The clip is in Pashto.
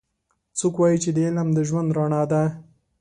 څوک وایي چې علم د ژوند رڼا ده